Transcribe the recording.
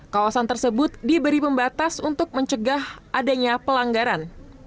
kawasan tersebut diberi pembatas untuk mencegah adanya pelanggaran